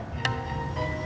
kamu harus tetap berjaga jaga